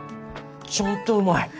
ちゃんとうまい！